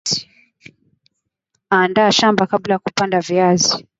andaa shamba kabla ya kupanda viazi